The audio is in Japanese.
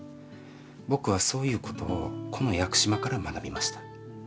僕はそういうことをこの屋久島から学びました。